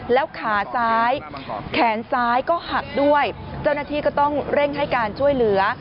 แล้วขาซ้ายแขนซ้ายก็หักด้วยเจ้าหน้าที่ก็ต้องเร่งให้การช่วยเหลือ